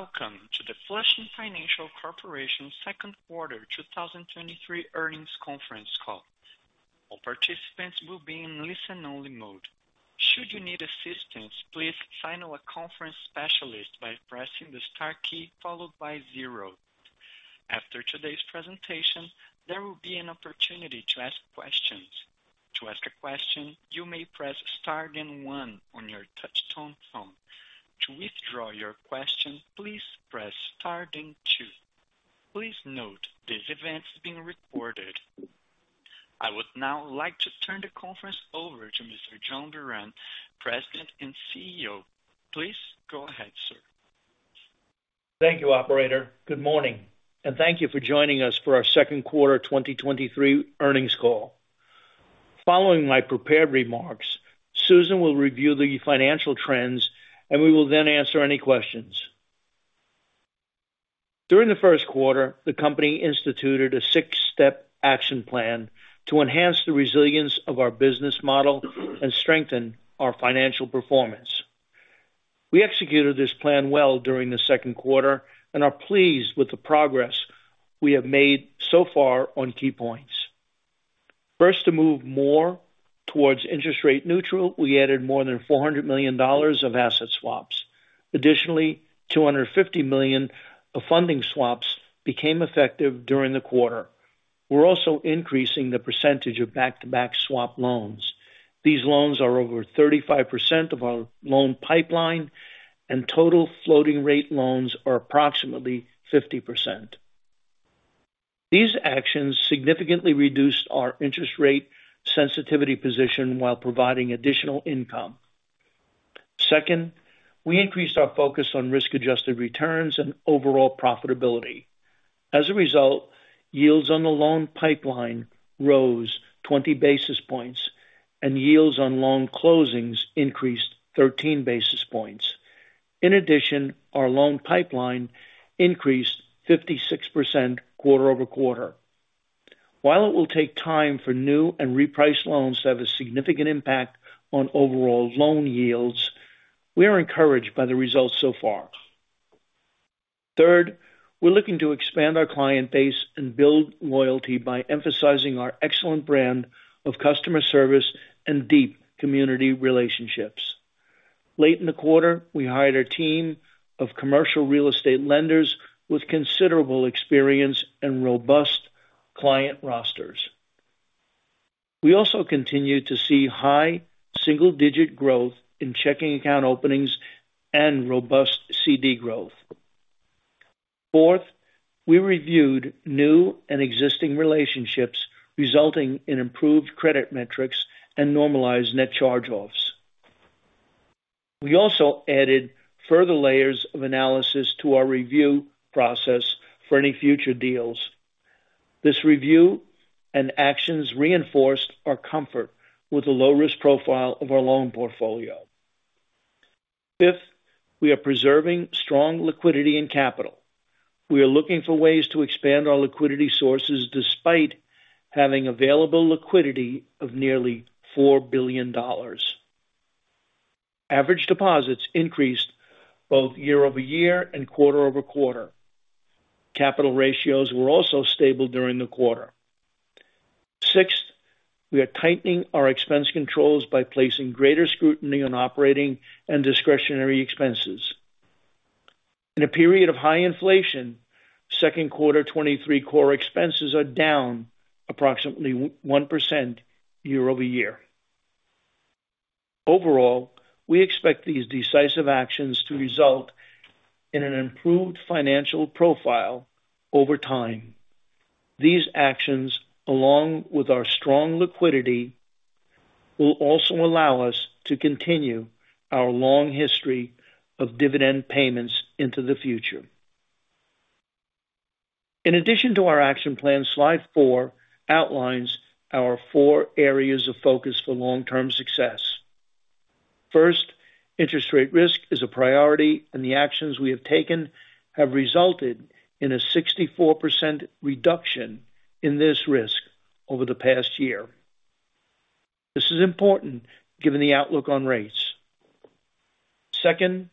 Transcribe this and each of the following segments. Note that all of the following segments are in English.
Welcome to the Flushing Financial Corporation second quarter 2023 earnings conference call. All participants will be in listen-only mode. Should you need assistance, please signal a conference specialist by pressing the star key followed by zero. After today's presentation, there will be an opportunity to ask questions. To ask a question, you may press star then one on your touchtone phone. To withdraw your question, please press star then two. Please note, this event is being recorded. I would now like to turn the conference over to Mr. John Buran, President and CEO. Please go ahead, sir. Thank you, operator. Good morning, and thank you for joining us for our second quarter 2023 earnings call. Following my prepared remarks, Susan will review the financial trends, and we will then answer any questions. During the first quarter, the company instituted a six-step action plan to enhance the resilience of our business model and strengthen our financial performance. We executed this plan well during the second quarter and are pleased with the progress we have made so far on key points. First, to move more towards interest rate neutral, we added more than $400 million of asset swaps. Additionally, $250 million of funding swaps became effective during the quarter. We're also increasing the percentage of back-to-back swap loans. These loans are over 35% of our loan pipeline, and total floating rate loans are approximately 50%. These actions significantly reduced our interest rate sensitivity position while providing additional income. Second, we increased our focus on risk-adjusted returns and overall profitability. As a result, yields on the loan pipeline rose 20 basis points, and yields on loan closings increased 13 basis points. In addition, our loan pipeline increased 56% quarter-over-quarter. While it will take time for new and repriced loans to have a significant impact on overall loan yields, we are encouraged by the results so far. Third, we're looking to expand our client base and build loyalty by emphasizing our excellent brand of customer service and deep community relationships. Late in the quarter, we hired a team of commercial real estate lenders with considerable experience and robust client rosters. We also continue to see high single-digit growth in checking account openings and robust CD growth. Fourth, we reviewed new and existing relationships, resulting in improved credit metrics and normalized net charge-offs. We also added further layers of analysis to our review process for any future deals. This review and actions reinforced our comfort with the low-risk profile of our loan portfolio. Fifth, we are preserving strong liquidity and capital. We are looking for ways to expand our liquidity sources despite having available liquidity of nearly $4 billion. Average deposits increased both year-over-year and quarter-over-quarter. Capital ratios were also stable during the quarter. Sixth, we are tightening our expense controls by placing greater scrutiny on operating and discretionary expenses. In a period of high inflation, second quarter 23 core expenses are down approximately 1% year-over-year. Overall, we expect these decisive actions to result in an improved financial profile over time. These actions, along with our strong liquidity, will also allow us to continue our long history of dividend payments into the future. In addition to our action plan, slide four outlines our four areas of focus for long-term success. First, interest rate risk is a priority. The actions we have taken have resulted in a 64% reduction in this risk over the past year. This is important given the outlook on rates. Second,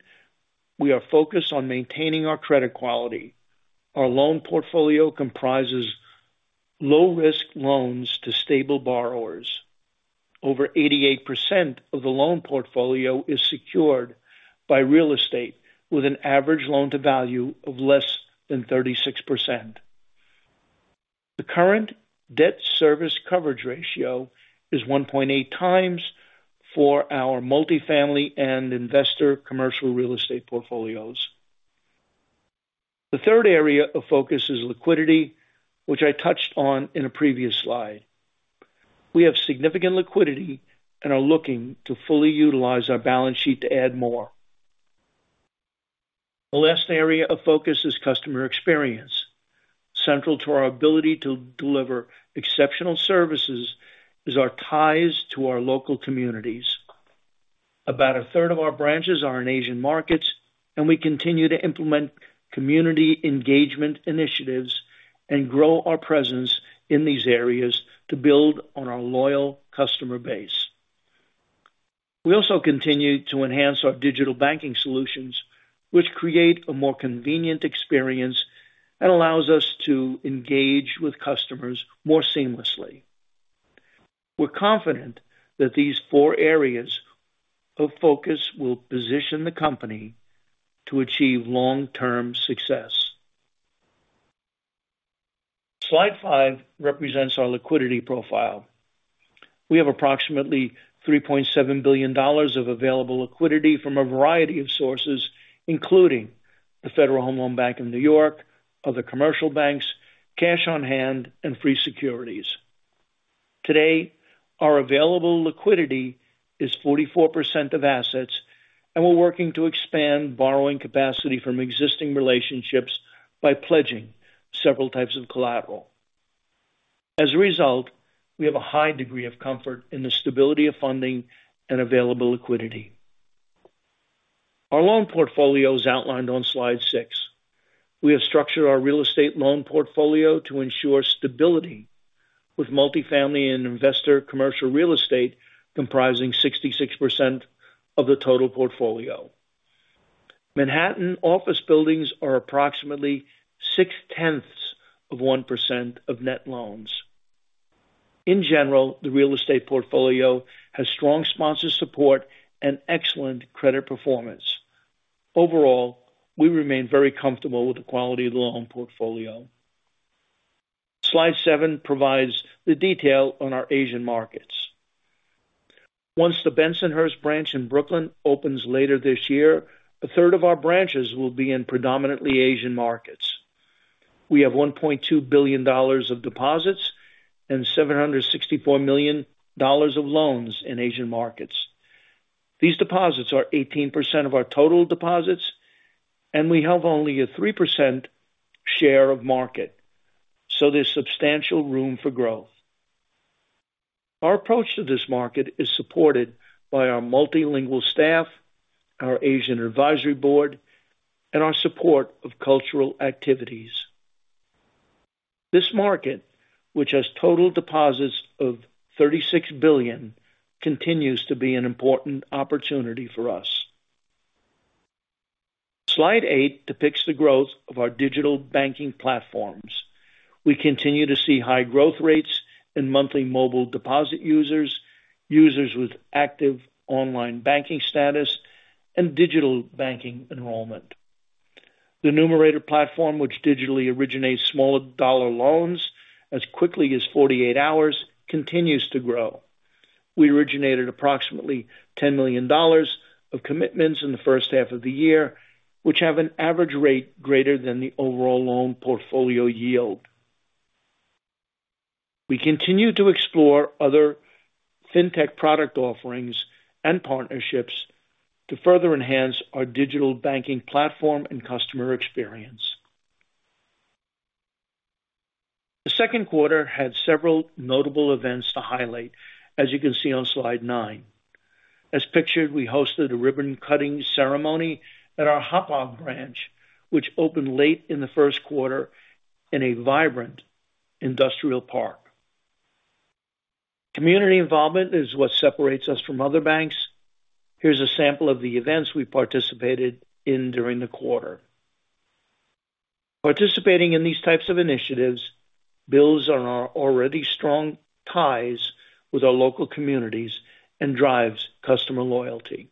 we are focused on maintaining our credit quality. Our loan portfolio comprises low-risk loans to stable borrowers. Over 88% of the loan portfolio is secured by real estate, with an average loan-to-value of less than 36%. The current debt service coverage ratio is 1.8x for our multifamily and investor commercial real estate portfolios. The third area of focus is liquidity, which I touched on in a previous slide. We have significant liquidity and are looking to fully utilize our balance sheet to add more. The last area of focus is customer experience. Central to our ability to deliver exceptional services is our ties to our local communities. About a third of our branches are in Asian markets, and we continue to implement community engagement initiatives and grow our presence in these areas to build on our loyal customer base. We also continue to enhance our digital banking solutions, which create a more convenient experience and allows us to engage with customers more seamlessly. We're confident that these four areas of focus will position the company to achieve long-term success. Slide five represents our liquidity profile. We have approximately $3.7 billion of available liquidity from a variety of sources, including the Federal Home Loan Bank of New York, other commercial banks, cash on hand, and free securities. Today, our available liquidity is 44% of assets. We're working to expand borrowing capacity from existing relationships by pledging several types of collateral. As a result, we have a high degree of comfort in the stability of funding and available liquidity. Our loan portfolio is outlined on slide six. We have structured our real estate loan portfolio to ensure stability with multifamily and investor commercial real estate comprising 66% of the total portfolio. Manhattan office buildings are approximately 0.6% of net loans. In general, the real estate portfolio has strong sponsor support and excellent credit performance. Overall, we remain very comfortable with the quality of the loan portfolio. Slide seven provides the detail on our Asian markets. Once the Bensonhurst branch in Brooklyn opens later this year, a third of our branches will be in predominantly Asian markets. We have $1.2 billion of deposits and $764 million of loans in Asian markets. These deposits are 18% of our total deposits, and we have only a 3% share of market, so there's substantial room for growth. Our approach to this market is supported by our multilingual staff, our Asian Advisory Board, and our support of cultural activities. This market, which has total deposits of $36 billion, continues to be an important opportunity for us. Slide eight depicts the growth of our digital banking platforms. We continue to see high growth rates in monthly mobile deposit users with active online banking status, and digital banking enrollment. The Numerated, which digitally originates smaller dollar loans as quickly as 48 hours, continues to grow. We originated approximately $10 million of commitments in the first half of the year, which have an average rate greater than the overall loan portfolio yield. We continue to explore other fintech product offerings and partnerships to further enhance our digital banking platform and customer experience. The second quarter had several notable events to highlight, as you can see on slide nine. As pictured, we hosted a ribbon cutting ceremony at our Hauppauge branch, which opened late in the first quarter in a vibrant industrial park. Community involvement is what separates us from other banks. Here's a sample of the events we participated in during the quarter. Participating in these types of initiatives builds on our already strong ties with our local communities and drives customer loyalty.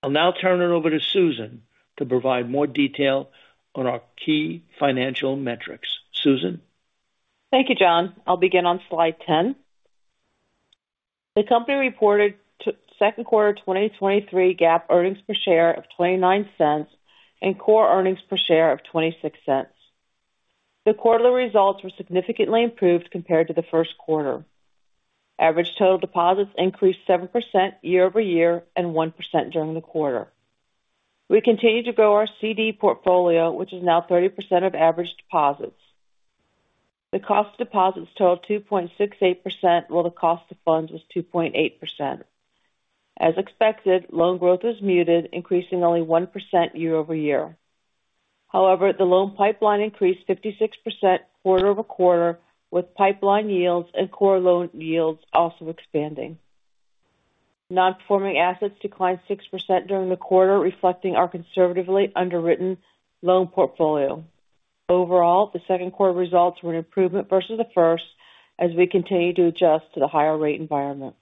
I'll now turn it over to Susan to provide more detail on our key financial metrics. Susan? Thank you, John. I'll begin on slide 10. The company reported second quarter 2023 GAAP earnings per share of $0.29 and core earnings per share of $0.26. The quarterly results were significantly improved compared to the first quarter. Average total deposits increased 7% year-over-year and 1% during the quarter. We continue to grow our CD portfolio, which is now 30% of average deposits. The cost of deposits totaled 2.68%, while the cost of funds was 2.8%. As expected, loan growth is muted, increasing only 1% year-over-year. The loan pipeline increased 56% quarter-over-quarter, with pipeline yields and core loan yields also expanding. Non-Performing Assets declined 6% during the quarter, reflecting our conservatively underwritten loan portfolio. Overall, the second quarter results were an improvement versus the first as we continue to adjust to the higher rate environment.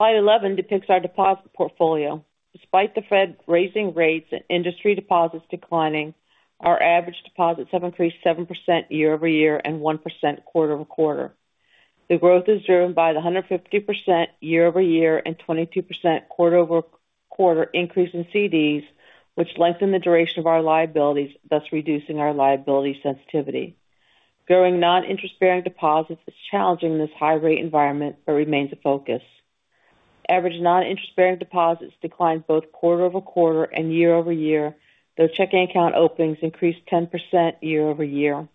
Slide 11 depicts our deposit portfolio. Despite the Fed raising rates and industry deposits declining, our average deposits have increased 7% year-over-year and 1% quarter-over-quarter. The growth is driven by the 150% year-over-year and 22% quarter-over-quarter increase in CDs, which lengthen the duration of our liabilities, thus reducing our liability sensitivity. Growing non-interest-bearing deposits is challenging in this high rate environment, but remains a focus. Average non-interest-bearing deposits declined both quarter-over-quarter and year-over-year, though checking account openings increased 10% year-over-year.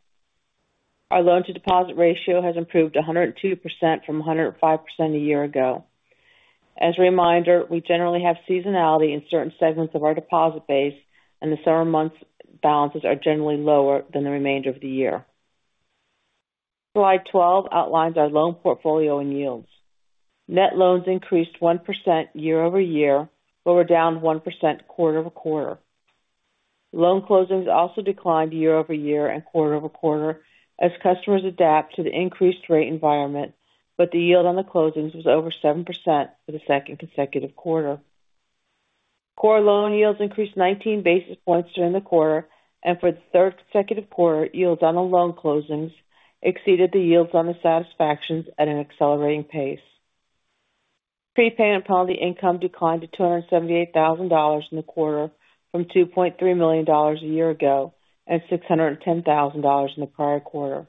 Our loan to deposit ratio has improved 102% from 105% a year ago. As a reminder, we generally have seasonality in certain segments of our deposit base, and the summer months balances are generally lower than the remainder of the year. Slide 12 outlines our loan portfolio and yields. Net loans increased 1% year-over-year, but were down 1% quarter-over-quarter. Loan closings also declined year-over-year and quarter-over-quarter as customers adapt to the increased rate environment, but the yield on the closings was over 7% for the second consecutive quarter. Core loan yields increased 19 basis points during the quarter, and for the third consecutive quarter, yields on the loan closings exceeded the yields on the satisfactions at an accelerating pace. Prepayment and penalty income declined to $278,000 in the quarter from $2.3 million a year ago, and $610,000 in the prior quarter.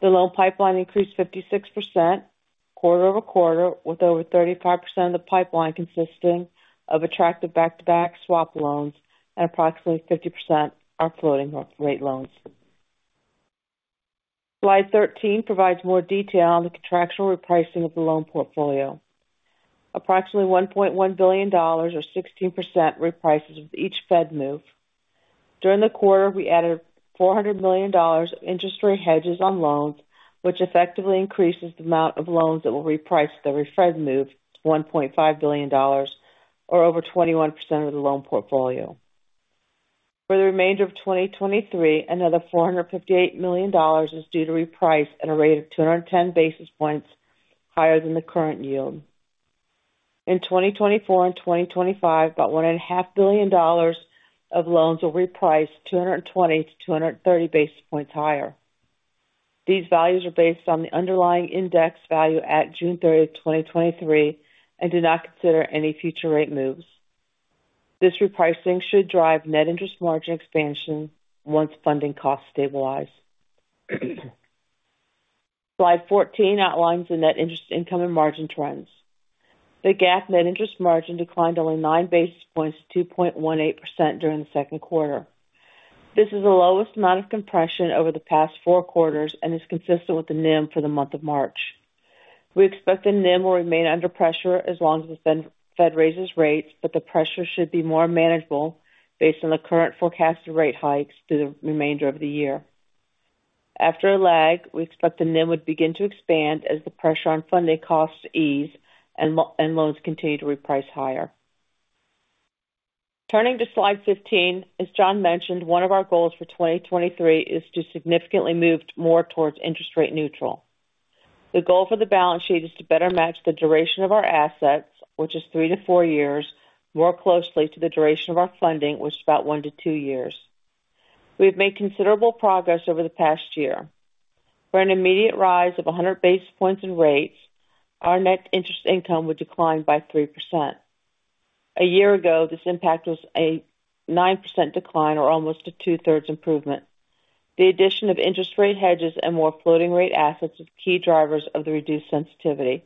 The loan pipeline increased 56% quarter-over-quarter, with over 35% of the pipeline consisting of attractive back-to-back swap loans and approximately 50% are floating rate loans. Slide 13 provides more detail on the contractual repricing of the loan portfolio. Approximately $1.1 billion or 16% reprices with each Fed move. During the quarter, we added $400 million of interest rate hedges on loans, which effectively increases the amount of loans that will reprice with every Fed move to $1.5 billion, or over 21% of the loan portfolio. For the remainder of 2023, another $458 million is due to reprice at a rate of 210 basis points higher than the current yield. In 2024 and 2025, about $1.5 billion of loans will reprice 220 to 230 basis points higher. These values are based on the underlying index value at June 30th, 2023, and do not consider any future rate moves. This repricing should drive net interest margin expansion once funding costs stabilize. Slide 14 outlines the net interest income and margin trends. The GAAP net interest margin declined only nine basis points to 2.18% during the second quarter. This is the lowest amount of compression over the past four quarters and is consistent with the NIM for the month of March. We expect the NIM will remain under pressure as long as the Fed raises rates, but the pressure should be more manageable based on the current forecasted rate hikes through the remainder of the year. After a lag, we expect the NIM would begin to expand as the pressure on funding costs ease and loans continue to reprice higher. Turning to slide 15, as John mentioned, one of our goals for 2023 is to significantly move more towards interest rate neutral. The goal for the balance sheet is to better match the duration of our assets, which is three to four years, more closely to the duration of our funding, which is about one to two years. We have made considerable progress over the past year. For an immediate rise of 100 basis points in rates, our net interest income would decline by 3%. A year ago, this impact was a 9% decline or almost a two-thirds improvement. The addition of interest rate hedges and more floating rate assets is key drivers of the reduced sensitivity.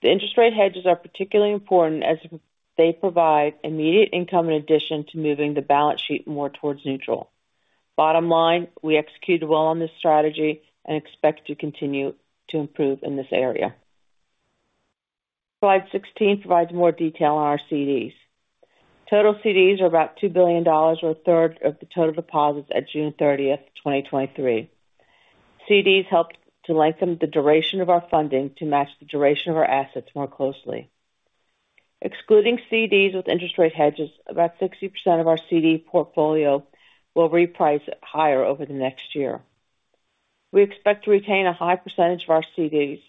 The interest rate hedges are particularly important as they provide immediate income in addition to moving the balance sheet more towards neutral. Bottom line, we executed well on this strategy and expect to continue to improve in this area. Slide 16 provides more detail on our CDs. Total CDs are about $2 billion, or a third of the total deposits at June 30, 2023. CDs helped to lengthen the duration of our funding to match the duration of our assets more closely. Excluding CDs with interest rate hedges, about 60% of our CD portfolio will reprice higher over the next year. We expect to retain a high percentage of our CDs.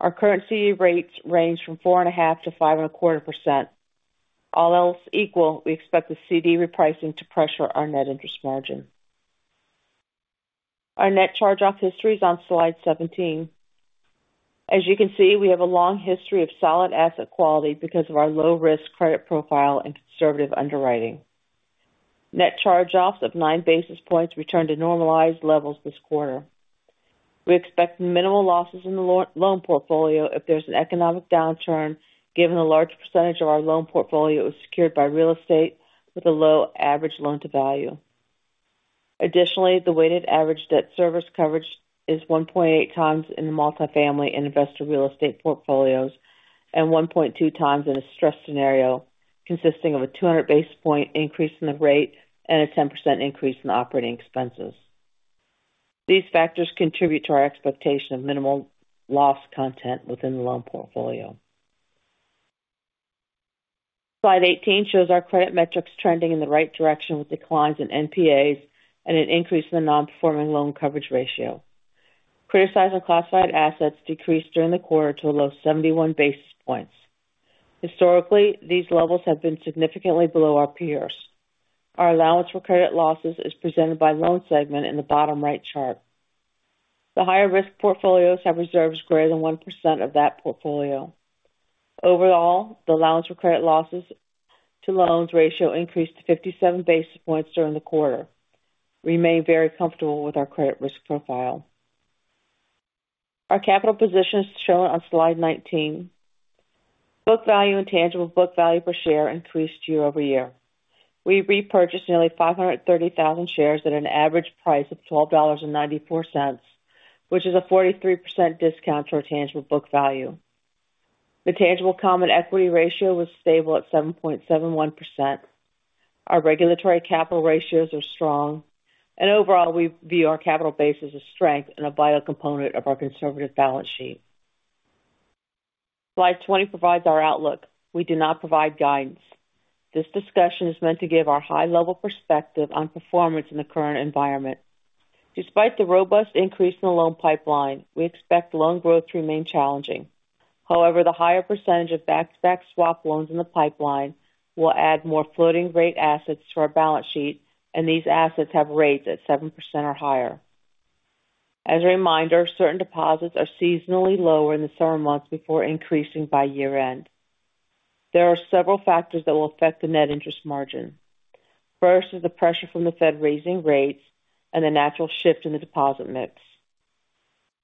Our current CD rates range from 4.5%-5.25%. All else equal, we expect the CD repricing to pressure our net interest margin. Our net charge-off history is on slide 17. As you can see, we have a long history of solid asset quality because of our low risk credit profile and conservative underwriting. Net charge-offs of nine basis points returned to normalized levels this quarter. We expect minimal losses in the loan portfolio if there's an economic downturn, given the large percentage of our loan portfolio is secured by real estate with a low average loan to value. Additionally, the weighted average debt service coverage is 1.8x in the multifamily and investor real estate portfolios, and 1.2x in a stress scenario consisting of a 200 basis point increase in the rate and a 10% increase in operating expenses. These factors contribute to our expectation of minimal loss content within the loan portfolio. Slide 18 shows our credit metrics trending in the right direction, with declines in NPAs and an increase in the non-performing loan coverage ratio. Criticized and classified assets decreased during the quarter to a low 71 basis points. Historically, these levels have been significantly below our peers. Our allowance for credit losses is presented by loan segment in the bottom right chart. The higher risk portfolios have reserves greater than 1% of that portfolio. Overall, the allowance for credit losses to loans ratio increased to 57 basis points during the quarter. We remain very comfortable with our credit risk profile. Our capital position is shown on slide 19. Book value and tangible book value per share increased year-over-year. We repurchased nearly 530,000 shares at an average price of $12.94, which is a 43% discount to our tangible book value. The tangible common equity ratio was stable at 7.71%. Our regulatory capital ratios are strong. Overall, we view our capital base as a strength and a vital component of our conservative balance sheet. Slide 20 provides our outlook. We do not provide guidance. This discussion is meant to give our high level perspective on performance in the current environment. Despite the robust increase in the loan pipeline, we expect loan growth to remain challenging. However, the higher percentage of back-to-back swap loans in the pipeline will add more floating rate assets to our balance sheet, and these assets have rates at 7% or higher. As a reminder, certain deposits are seasonally lower in the summer months before increasing by year-end. There are several factors that will affect the net interest margin. First is the pressure from the Fed raising rates and the natural shift in the deposit mix.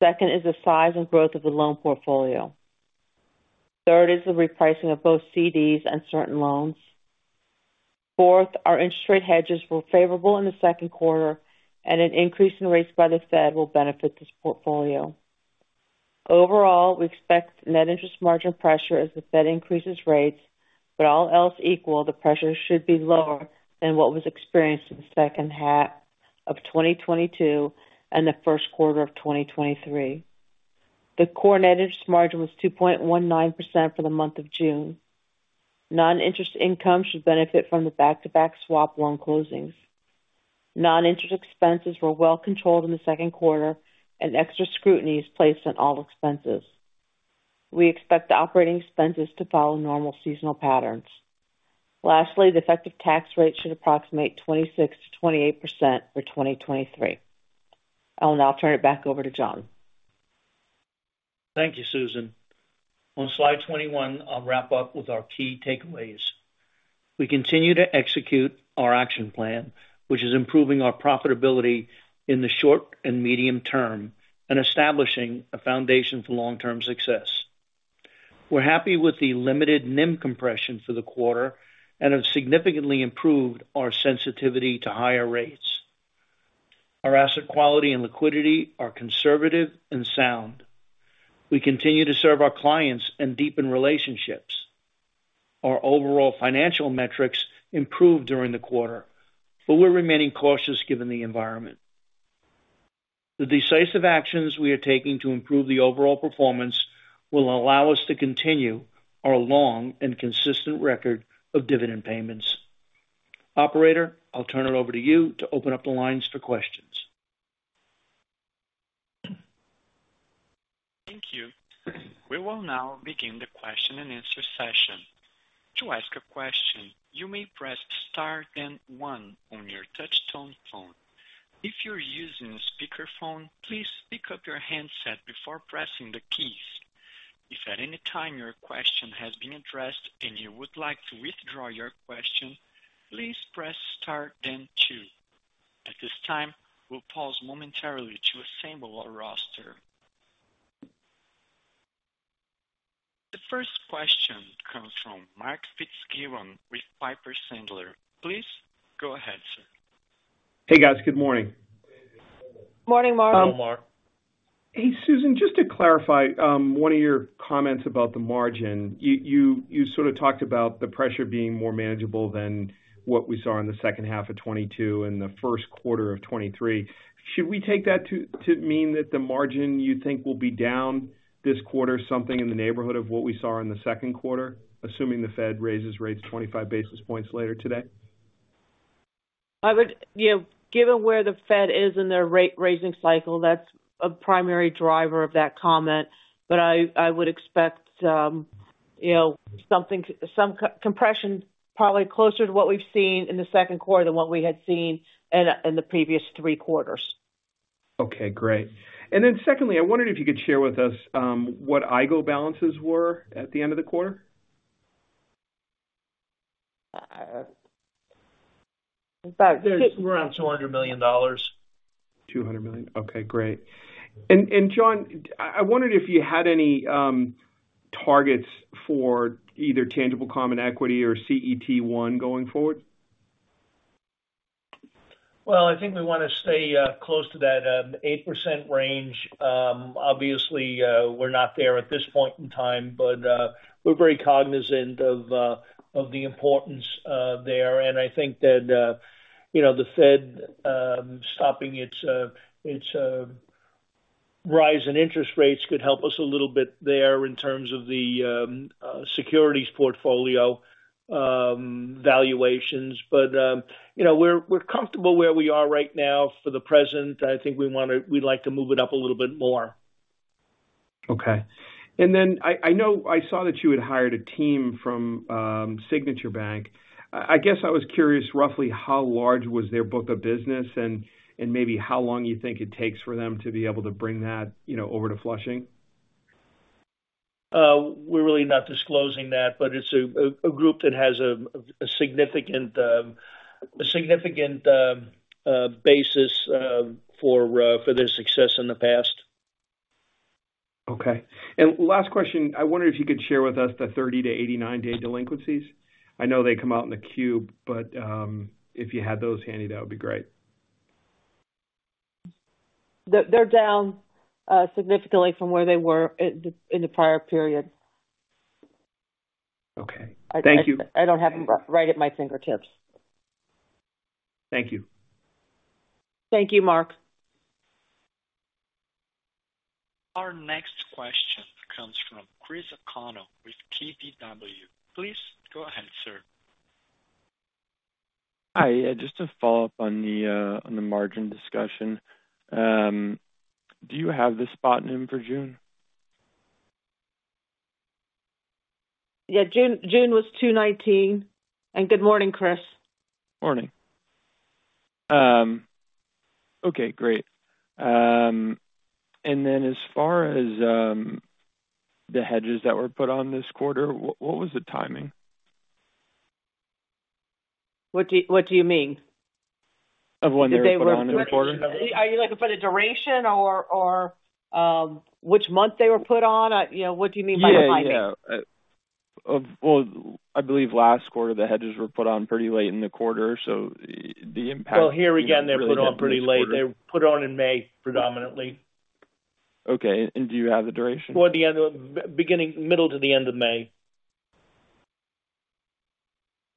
Second is the size and growth of the loan portfolio. Third is the repricing of both CDs and certain loans. Fourth, our interest rate hedges were favorable in the second quarter, and an increase in rates by the Fed will benefit this portfolio. Overall, we expect net interest margin pressure as the Fed increases rates, but all else equal, the pressure should be lower than what was experienced in the second half of 2022 and the first quarter of 2023. The core net interest margin was 2.19% for the month of June. Non-interest income should benefit from the back-to-back swap loan closings. Non-interest expenses were well controlled in the second quarter, and extra scrutiny is placed on all expenses. We expect the operating expenses to follow normal seasonal patterns. Lastly, the effective tax rate should approximate 26%-28% for 2023. I will now turn it back over to John. Thank you, Susan. On slide 21, I'll wrap up with our key takeaways. We continue to execute our action plan, which is improving our profitability in the short and medium term and establishing a foundation for long-term success. We're happy with the limited NIM compression for the quarter and have significantly improved our sensitivity to higher rates. Our asset quality and liquidity are conservative and sound. We continue to serve our clients and deepen relationships. Our overall financial metrics improved during the quarter. We're remaining cautious given the environment. The decisive actions we are taking to improve the overall performance will allow us to continue our long and consistent record of dividend payments. Operator, I'll turn it over to you to open up the lines for questions. Thank you. We will now begin the question-and-answer session. To ask a question, you may press star then one on your touch-tone phone. If you're using a speakerphone, please pick up your handset before pressing the keys. If at any time your question has been addressed and you would like to withdraw your question, please press star then two. At this time, we'll pause momentarily to assemble our roster. The first question comes from Mark Fitzgibbon with Piper Sandler. Please go ahead, sir. Hey, guys. Good morning. Morning, Mark. Hello, Mark. Hey, Susan, just to clarify, one of your comments about the margin. You sort of talked about the pressure being more manageable than what we saw in the second half of 2022 and the first quarter of 2023. Should we take that to mean that the margin you think will be down this quarter, something in the neighborhood of what we saw in the second quarter, assuming the Fed raises rates 25 basis points later today? You know, given where the Fed is in their rate raising cycle, that's a primary driver of that comment. I would expect, you know, some co- compression, probably closer to what we've seen in the second quarter than what we had seen in the previous three quarters. Okay, great. Secondly, I wondered if you could share with us, what iGO balances were at the end of the quarter? Uh, about- There's around $200 million. $200 million. Okay, great. John, I wondered if you had any targets for either Tangible Common Equity or CET1 going forward? Well, I think we wanna stay close to that 8% range. Obviously, we're not there at this point in time, but we're very cognizant of the importance there. I think that, you know, the Fed stopping its its rise in interest rates could help us a little bit there in terms of the securities portfolio valuations. You know, we're comfortable where we are right now for the present. I think we'd like to move it up a little bit more. Okay. I know I saw that you had hired a team from Signature Bank. I guess I was curious, roughly how large was their book of business and maybe how long you think it takes for them to be able to bring that, you know, over to Flushing? We're really not disclosing that, but it's a group that has a significant basis, for their success in the past. Okay. Last question. I wonder if you could share with us the 30-89 day delinquencies. I know they come out in the cube, but if you had those handy, that would be great. They're down significantly from where they were in the prior period. Okay, thank you. I don't have them right at my fingertips. Thank you. Thank you, Mark. Our next question comes from Chris O'Connell with KBW. Please go ahead, sir. Hi, yeah, just to follow up on the on the margin discussion. Do you have the spot NIM for June? Yeah, June was 219. Good morning, Chris. Morning. Okay, great. As far as the hedges that were put on this quarter, what was the timing? What do you mean? Of when they were put on the quarter? Are you looking for the duration or, which month they were put on? You know, what do you mean by the timing? Yeah. Yeah. well, I believe last quarter the hedges were put on pretty late in the quarter, the impact-. Well, here again, they're put on pretty late. They were put on in May, predominantly. Okay. Do you have the duration? Beginning, middle to the end of May.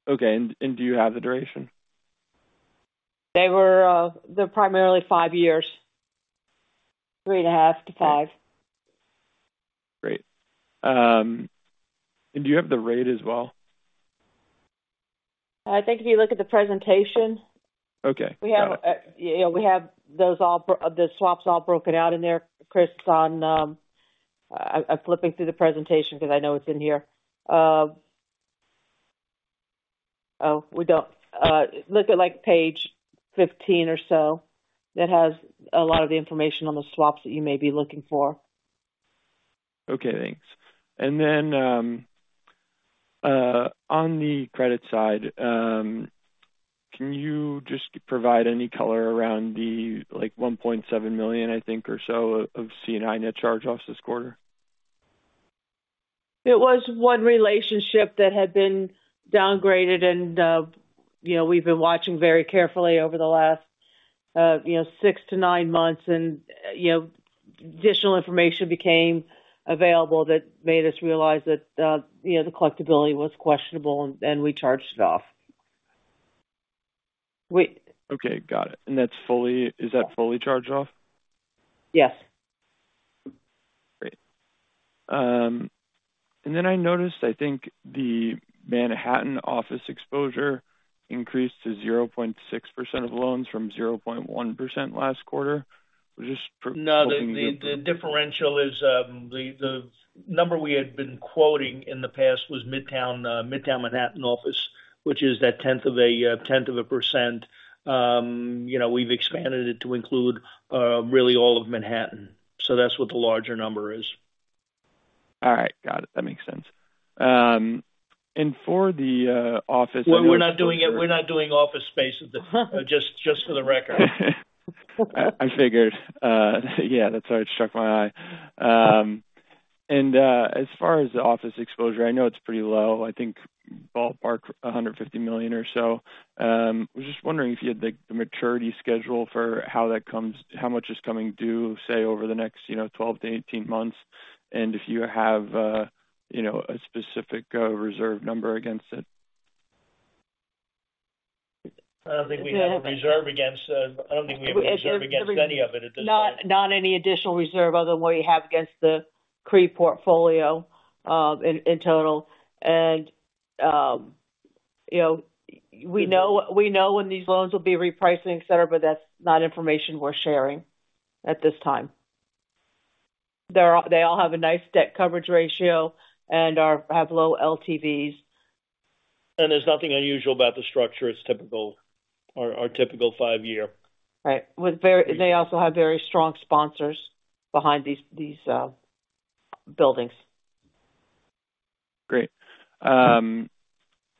Okay. Do you have the duration? They're primarily five years. 3.5-5. Great. Do you have the rate as well? I think if you look at the presentation. Okay. We have, you know, we have those all the swaps all broken out in there. Chris, on, I'm flipping through the presentation because I know it's in here. Oh, we don't. Look at, like, page 15 or so. That has a lot of the information on the swaps that you may be looking for. Okay, thanks. On the credit side, can you just provide any color around the, like, $1.7 million, I think, or so, of C&I net charge-offs this quarter? It was one relationship that had been downgraded, and, you know, we've been watching very carefully over the last, you know, six to nine months. You know, additional information became available that made us realize that, you know, the collectibility was questionable, and we charged it off. Okay, got it. Is that fully charged off? Yes. Great. I noticed, I think, the Manhattan office exposure increased to 0.6% of loans from 0.1% last quarter, which is. The differential is, the number we had been quoting in the past was Midtown Manhattan office, which is that 1/10 of a percent. You know, we've expanded it to include really all of Manhattan, so that's what the larger number is. All right. Got it. That makes sense. for the, office- We're not doing it. We're not doing office space, just for the record. I figured. Yeah, that's why it struck my eye. As far as the office exposure, I know it's pretty low. I think ballpark, $150 million or so. Was just wondering if you had, like, the maturity schedule, how much is coming due, say, over the next, you know, 12-18 months, and if you have, you know, a specific reserve number against it? I don't think we have a reserve against any of it at this time. Not any additional reserve other than what we have against the CRE portfolio, in total. You know, we know when these loans will be repricing, et cetera, but that's not information we're sharing at this time. They all have a nice debt coverage ratio and are, have low LTVs. There's nothing unusual about the structure. It's typical, our typical five year. Right. They also have very strong sponsors behind these buildings. Great.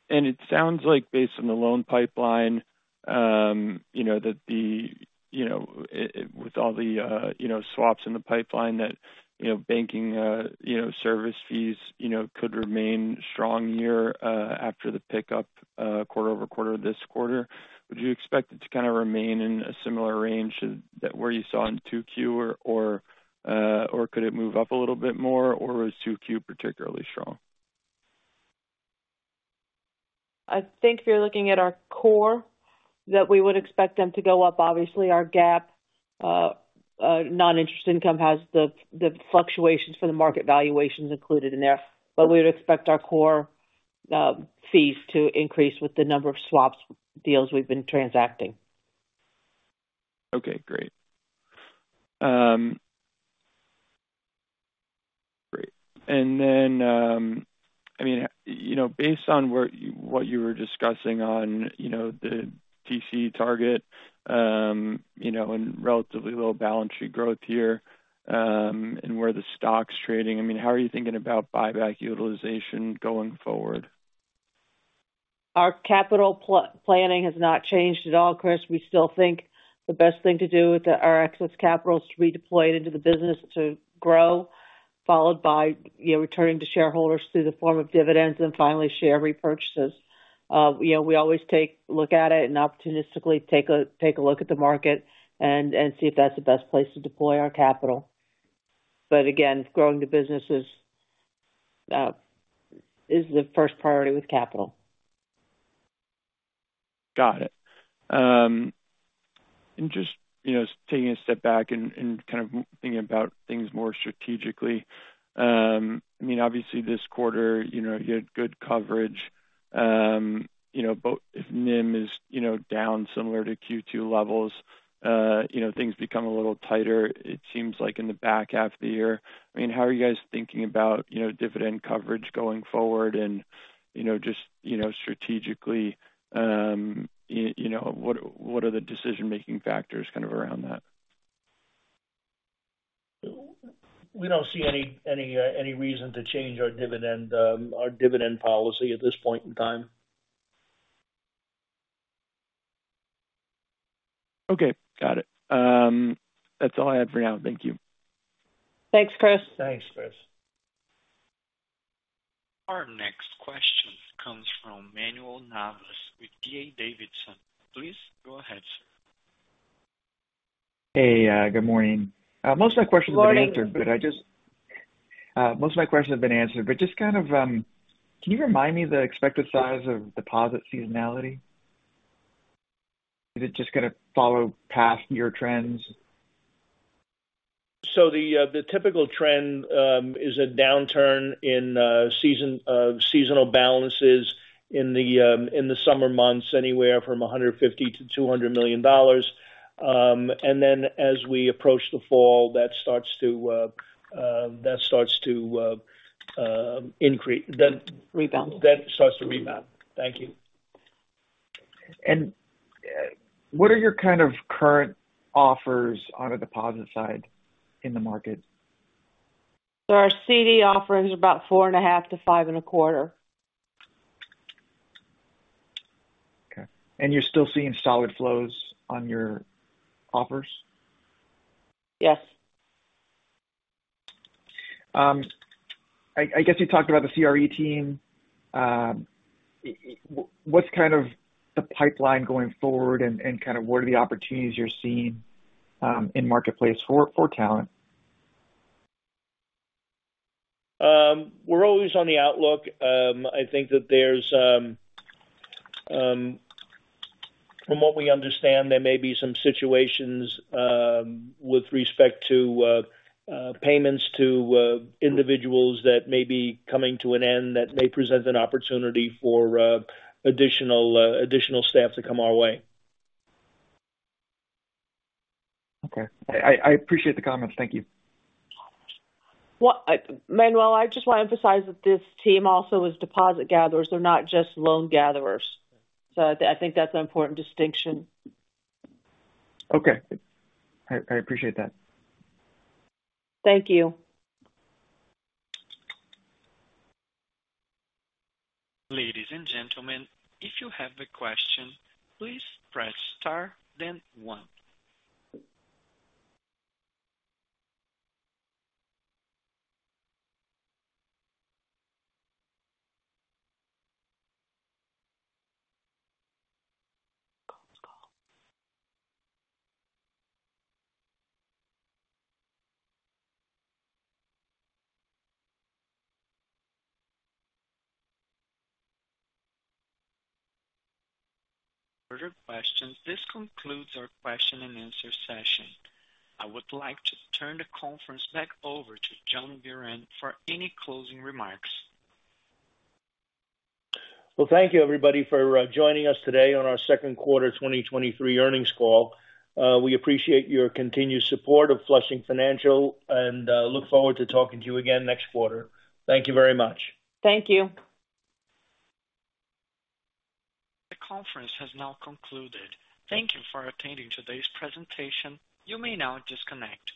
It sounds like based on the loan pipeline, you know, that the, you know, it with all the, you know, swaps in the pipeline, that, you know, banking, you know, service fees, you know, could remain strong year after the pickup quarter-over-quarter, this quarter. Would you expect it to kind of remain in a similar range that where you saw in 2Q or could it move up a little bit more, or was 2Q particularly strong? I think if you're looking at our core, that we would expect them to go up. Obviously, our GAAP non-interest income has the fluctuations for the market valuations included in there. We would expect our core fees to increase with the number of swaps deals we've been transacting. Okay, great. Great. I mean, you know, based on what you were discussing on, you know, the TC target, you know, and relatively low balance sheet growth here, and where the stock's trading, I mean, how are you thinking about buyback utilization going forward? Our capital planning has not changed at all, Chris. We still think the best thing to do with our excess capital is to redeploy it into the business to grow, followed by, you know, returning to shareholders through the form of dividends and finally share repurchases. you know, we always take, look at it and opportunistically take a look at the market and see if that's the best place to deploy our capital. Again, growing the business is the first priority with capital. Got it. Just, you know, taking a step back and kind of thinking about things more strategically, I mean, obviously this quarter, you know, you had good coverage. You know, but if NIM is, you know, down similar to Q2 levels, you know, things become a little tighter, it seems like in the back half of the year. I mean, how are you guys thinking about, you know, dividend coverage going forward? You know, just, you know, strategically, you know, what are the decision-making factors kind of around that? We don't see any reason to change our dividend, our dividend policy at this point in time. Okay, got it. That's all I had for now. Thank you. Thanks, Chris. Thanks, Chris. Our next question comes from Manuel Navas with D.A. Davidson. Please go ahead, sir. Hey, good morning. Most of my questions have been answered. Good morning. Most of my questions have been answered, but just kind of, can you remind me the expected size of deposit seasonality? Is it just gonna follow past year trends? The typical trend, is a downturn in seasonal balances in the summer months, anywhere from $150 million-$200 million. Then as we approach the fall, that starts to increase. Rebound. That starts to rebound. Thank you. What are your kind of current offers on the deposit side in the market? Our CD offerings are about 4.5%-5.25%. Okay. You're still seeing solid flows on your offers? Yes. I guess you talked about the CRE team. What's kind of the pipeline going forward and kind of what are the opportunities you're seeing, in marketplace for talent? We're always on the outlook. I think that there's from what we understand, there may be some situations with respect to payments to individuals that may be coming to an end, that may present an opportunity for additional staff to come our way. Okay. I appreciate the comments. Thank you. Well, Manuel, I just want to emphasize that this team also is deposit gatherers. They're not just loan gatherers. I think that's an important distinction. Okay. I appreciate that. Thank you. Ladies and gentlemen, if you have a question, please press star then one. Further questions, this concludes our question-and-answer session. I would like to turn the conference back over to John Buran for any closing remarks. Well, thank you, everybody, for joining us today on our second quarter 2023 earnings call. We appreciate your continued support of Flushing Financial and look forward to talking to you again next quarter. Thank you very much. Thank you. The conference has now concluded. Thank you for attending today's presentation. You may now disconnect.